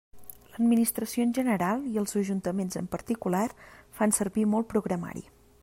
L'administració en general i els ajuntaments en particular fan servir molt programari.